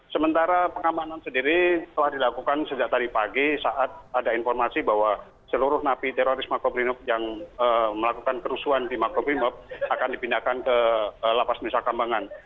sementara pengamanan sendiri telah dilakukan sejak tadi pagi saat ada informasi bahwa seluruh napi teroris makobrimob yang melakukan kerusuhan di makobrimob akan dipindahkan ke lapas nusa kambangan